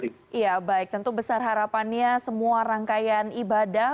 iya baik tentu besar harapannya semua rangkaian ibadah